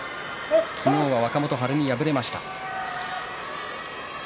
昨日は若元春に敗れました。